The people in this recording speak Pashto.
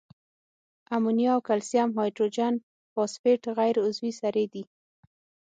امونیا او کلسیم هایدروجن فاسفیټ غیر عضوي سرې دي.